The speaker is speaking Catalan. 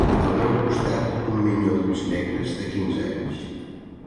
Al costat meu, un minyó d'ulls negres, de quinze anys